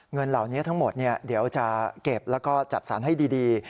เงินเหล่านี้ทั้งหมดเดี๋ยวจะเก็บแล้วก็จัดสรรให้ดี